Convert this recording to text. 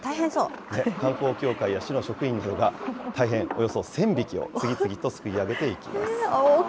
観光協会や市の職員などが、大変、およそ１０００匹を次々とすくい上げていきます。